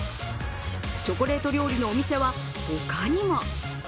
チョコレート料理のお店は他にも。